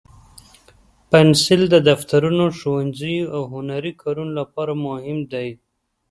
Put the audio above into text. پنسل د دفترونو، ښوونځیو، او هنري کارونو لپاره مهم دی.